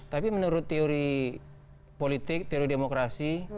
tapi menurut teori politik teori demokrasi